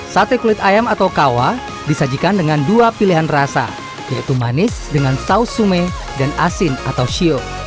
sate kulit ayam atau kawah disajikan dengan dua pilihan rasa yaitu manis dengan saus sume dan asin atau shio